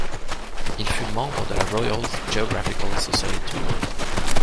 Il fut membre de la Royal Geographical Society.